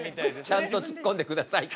ちゃんとツッコんでください。